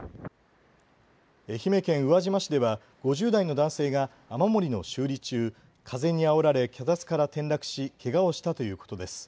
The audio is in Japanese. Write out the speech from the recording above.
愛媛県宇和島市では５０代の男性が雨漏りの修理中、風にあおられ脚立から転落しけがをしたということです。